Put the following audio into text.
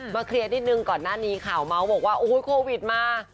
เคลียร์นิดนึงก่อนหน้านี้ข่าวเมาส์บอกว่าโอ้โหโควิดมา